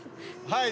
はい。